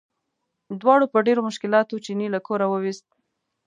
دواړو په ډېرو مشکلاتو چیني له کوره وویست.